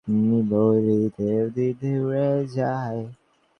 ঝড়-বৃষ্টির শব্দে আর কিছু শোনা যায় না।